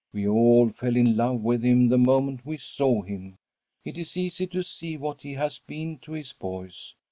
We all fell in love with him the moment we saw him. It is easy to see what he has been to his boys.